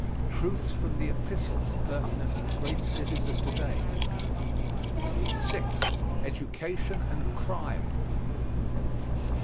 Truths from the Epistles pertinent to the great cities of today. 6. EDUCATION AND CRIME.